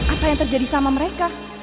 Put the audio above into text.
apa yang terjadi sama mereka